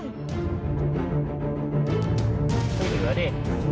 อย่าหนีอย่าหนีอย่าหนี